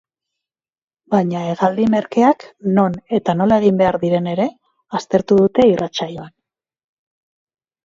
Baina hegaldi merkeak non eta nola egin behar diren ere aztertu dute irratsaioan.